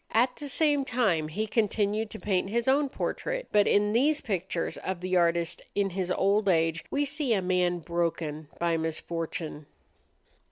At the same time he continued to paint his own portrait; but in these pictures of the artist in his old age we see a man broken by misfortune.